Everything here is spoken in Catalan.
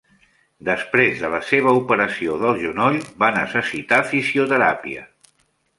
Després de la seva operació del genoll, va necessitar fisioteràpia.